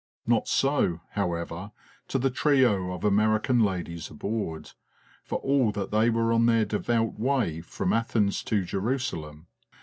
Not so, however, to the trio of American ladies aboard for all that they were on their devout way from Athens to Jerusalem.